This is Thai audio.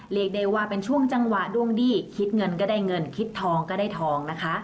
เรียกได้ว่าเป็นช่วงจังหวะดวงดีคิดเงินก็ได้เงินคิดทองก็ได้ทองนะคะ